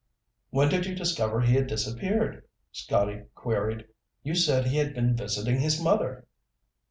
"When did you discover he had disappeared?" Scotty queried. "You said he had been visiting his mother."